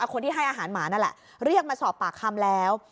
คนที่ให้อาหารหมานั่นแหละเรียกมาสอบปากคำแล้ว